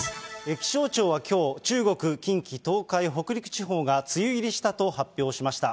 気象庁はきょう、中国、近畿、東海、北陸地方が梅雨入りしたと発表しました。